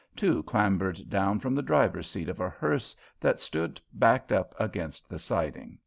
Two clambered down from the driver's seat of a hearse that stood backed up against the siding.